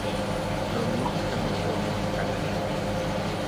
ርምቅ ሕምቅ ወሞት ሐገሌብ።